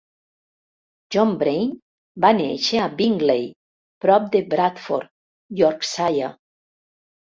John Braine va néixer a Bingley, prop de Bradford, Yorkshire.